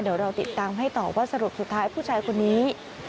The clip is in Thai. เดี๋ยวเราติดตามให้ต่อว่าสรุปสุดท้ายผู้ชายคนนี้